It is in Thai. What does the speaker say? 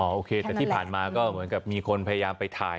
โอเคแต่ที่ผ่านมาก็เหมือนกับมีคนพยายามไปถ่าย